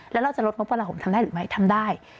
แล้วเราจะลดงบประมาณห่มทำได้หรือไม่ทำได้